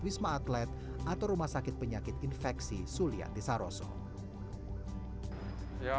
wisma atlet atau rumah sakit penyakit infeksi sulian tisaroso yang pasti panas berkeringat